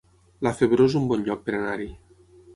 La Febró es un bon lloc per anar-hi